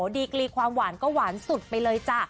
ดีกรีความหวานก็หวานสุดไปเลยจ้ะ